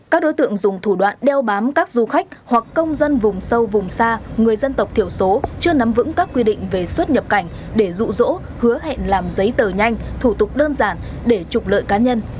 các đối tượng dùng thủ đoạn đeo bám các du khách hoặc công dân vùng sâu vùng xa người dân tộc thiểu số chưa nắm vững các quy định về xuất nhập cảnh để rụ rỗ hứa hẹn làm giấy tờ nhanh thủ tục đơn giản để trục lợi cá nhân